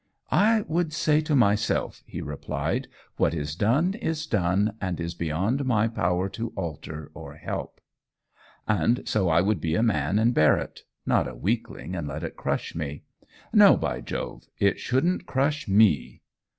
"I would say to myself," he replied, "'What is done, is done, and is beyond my power to alter or help.' And so I would be a man and bear it not a weakling, and let it crush me. No, by Jove! it shouldn't crush ME!"